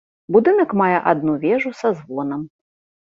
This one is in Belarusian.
Будынак мае адну вежу са звонам.